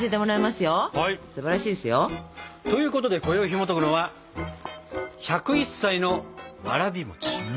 すばらしいですよ。ということでこよいひもとくのは「１０１歳のわらび餅」。